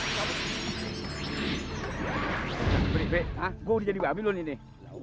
bener be gue udah jadi babi lo nih